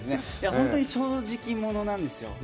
本当に正直者なんですよ。